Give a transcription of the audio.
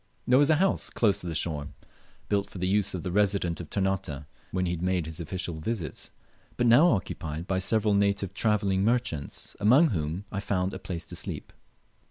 There was a house close to the shore, built for the use of the Resident of Ternate when he made his official visits, but now occupied by several native travelling merchants, among whom I found a place to sleep.